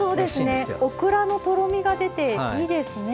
オクラのとろみが出ていいですね。